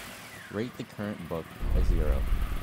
Rate the current book a zero.